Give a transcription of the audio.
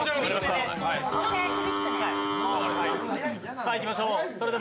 さあいきましょう。